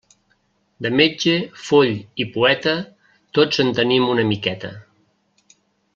De metge, foll i poeta, tots en tenim una miqueta.